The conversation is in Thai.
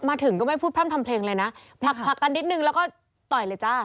ถึงก็ไม่พูดพร่ำทำเพลงเลยนะผลักผลักกันนิดนึงแล้วก็ต่อยเลยจ้า